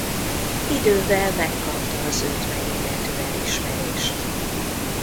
Idővel megkapta az őt megillető elismerést.